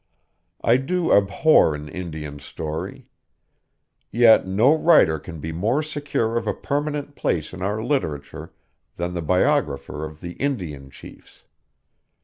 I do abhor an Indian story. Yet no writer can be more secure of a permanent place in our literature than the biographer of the Indian chiefs.